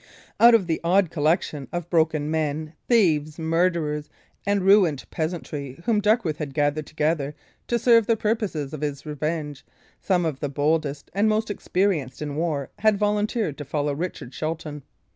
Out of the odd collection of broken men, thieves, murderers, and ruined peasantry, whom Duckworth had gathered together to serve the purposes of his revenge, some of the boldest and the most experienced in war had volunteered to follow Richard Shelton.